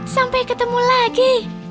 sampai jumpa lagi